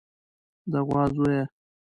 د غوا زويه.